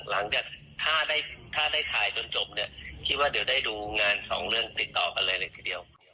หลังจากถ้าได้ถ่ายจนจบเนี่ยคิดว่าเดี๋ยวได้ดูงานสองเรื่องติดต่อกันเลยเลยทีเดียว